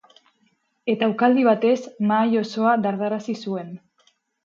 Eta ukaldi batez mahai osoa dardararazi zuen.